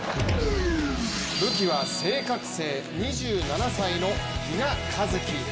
武器は正確性、２７歳の比嘉一貴。